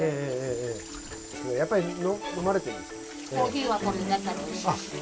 やっぱり飲まれてるんですか？